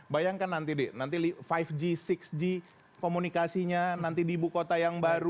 bayangkan nanti deh nanti lima g enam g komunikasinya nanti di ibu kota yang baru